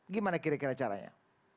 gimana kira kira caranya